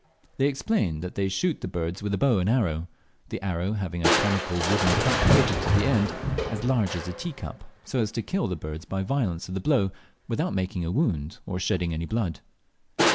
They explained that they shoot the birds with a bow and arrow, the arrow having a conical wooden cap fitted to the end as large as a teacup, so as to kill the bird by the violence of the blow without making any wound or shedding any blood.